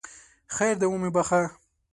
خیر دی ومې بخښه!